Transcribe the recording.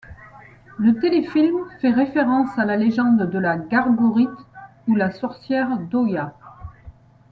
Le téléfilm fait référence à la légende de la Gargourite ou la sorcière d'Oya.